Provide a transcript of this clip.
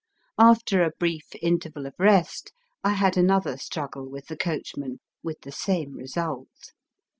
After a brief interval of rest, I had another struggle with the coachman, with the same result.